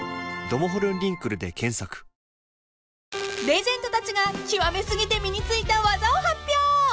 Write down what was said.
［レジェンドたちが極めすぎて身についた技を発表］